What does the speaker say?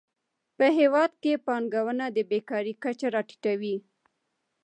په هیواد کې پانګونه د بېکارۍ کچه راټیټوي.